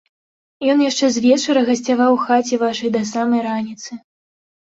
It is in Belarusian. Ён яшчэ звечара гасцяваў у хаце вашай да самай раніцы.